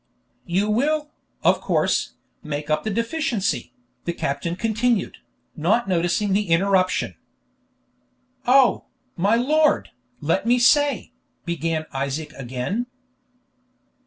"You will, of course, make up the deficiency," the captain continued, not noticing the interruption. "Oh, my lord, let me say " began Isaac again.